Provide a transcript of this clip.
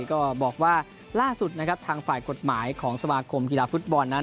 ก็บอกว่าล่าสุดนะครับทางฝ่ายกฎหมายของสมาคมกีฬาฟุตบอลนั้น